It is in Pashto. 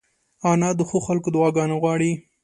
انا د ښو خلکو دعاګانې غواړي